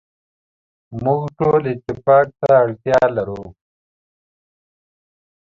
موږ ټول اتفاق ته اړتیا لرو.